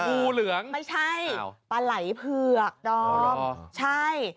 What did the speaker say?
กูเหลืองไม่ใช่ปะไหลเพือกน้องใช่